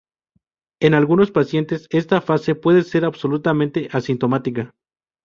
En algunos pacientes, esta fase puede ser absolutamente asintomática.